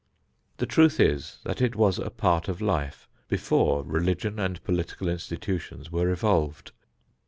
The truth is that it was a part of life before religion and political institutions were evolved.